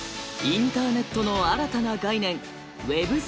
インターネットの新たな概念